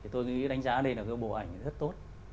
tôi nghĩ đánh giá đây là cái bộ ảnh rất tốt